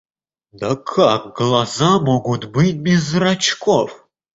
Да как глаза могут быть без зрачков?